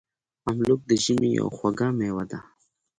املوک د ژمي یوه خوږه میوه ده.